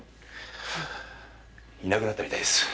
いなくなったみたいです。